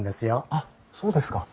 あっそうですか。